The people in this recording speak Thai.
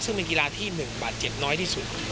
ซึ่งเป็นกีฬาที่๑บาดเจ็บน้อยที่สุด